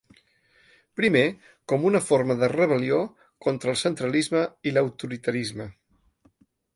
Primer, com una forma de rebel·lió contra el centralisme i l’autoritarisme.